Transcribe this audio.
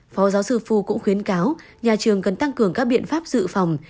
phó giáo sư phu cũng khuyến cáo nhà trường cần tăng cường các biện pháp dự phòng